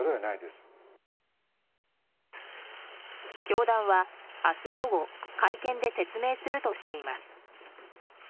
教団は明日午後会見で説明するとしています。